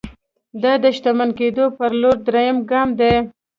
دا د شتمن کېدو پر لور درېيم ګام دی.